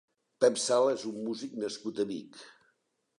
Pep Sala és un músic nascut a Vic.